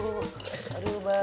ngerok enak aja semarangan